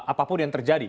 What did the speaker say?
apapun yang terjadi